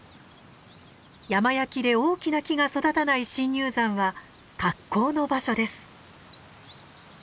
山焼きで大きな木が育たない深入山は格好の場所です。